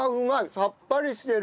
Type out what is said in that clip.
さっぱりしてる。